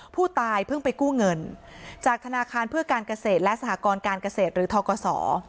ผู้ตายเพิ่งไปกู้เงินจากธนาคารเพื่อการเกษตรและสหกรการเกษตรหรือทกศ